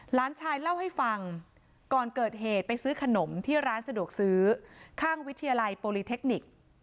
หลานชายเล่าให้ฟังก่อนเกิดเหตุไปซื้อขนมที่ร้านสะดวกซื้อข้างวิทยาลัยโปรลิเทคนิค